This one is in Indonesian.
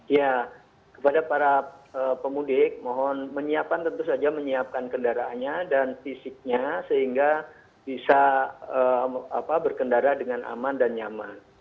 ya kepada para pemudik mohon menyiapkan tentu saja menyiapkan kendaraannya dan fisiknya sehingga bisa berkendara dengan aman dan nyaman